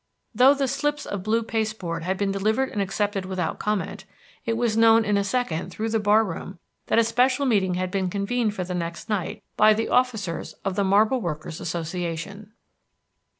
Though the slips of blue pasteboard had been delivered and accepted without comment, it was known in a second through the bar room that a special meeting had been convened for the next night by the officers of the Marble Workers' Association.